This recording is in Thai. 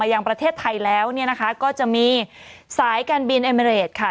ยังประเทศไทยแล้วเนี่ยนะคะก็จะมีสายการบินเอเมริดค่ะ